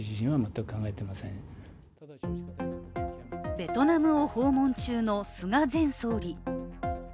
ベトナムを訪問中の菅前総理。